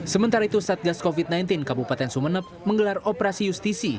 sementara itu satgas covid sembilan belas kabupaten sumeneb menggelar operasi justisi